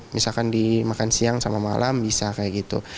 misalkan dimakan siang sama malam bisa kayak gitu